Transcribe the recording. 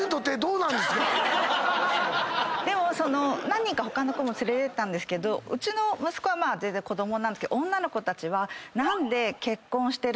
でもその何人か他の子も連れてったんですけどうちの息子は全然子供なんですけど女の子たちは。